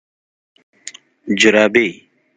🧦جورابي